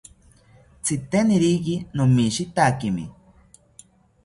Tziteniriki nomishitakimi